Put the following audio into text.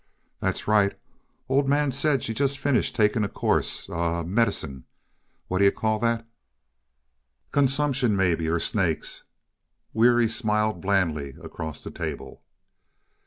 "That's right. Old Man said she's just finished taking a course uh medicine what'd yuh call that?" "Consumption, maybe or snakes." Weary smiled blandly across the table.